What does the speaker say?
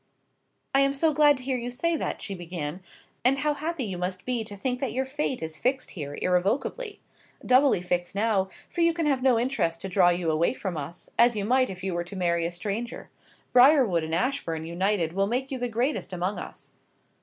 "I am so glad to hear you say that," she began. "And how happy you must be to think that your fate is fixed here irrevocably; doubly fixed now; for you can have no interest to draw you away from us, as you might if you were to marry a stranger. Briarwood and Ashbourne united will make you the greatest among us."